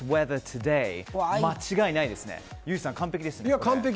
間違いないですね。